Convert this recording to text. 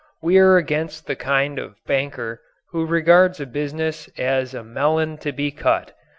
We are against the kind of banker who regards a business as a melon to be cut.